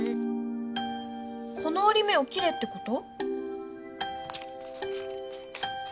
このおり目を切れってこと？